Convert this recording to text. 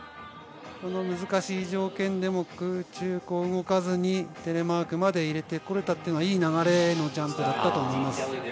難しい条件でも空中動かずに、テレマークまで入れて来れたというのはいい流れのジャンプだったと思います。